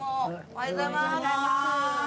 おはようございます。